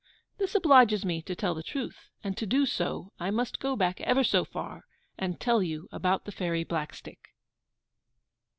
This obliges me to tell the truth, and to do so I must go back ever so far, and tell you about the FAIRY BLACKSTICK.